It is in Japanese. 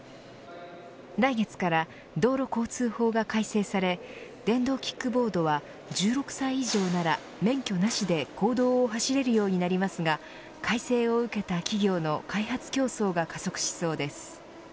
来月から道路交通法が改正され電動キックボードは１６歳以上なら免許なしで公道を走れるようになりますが改正を受けた企業の開発競争が加速しそうです。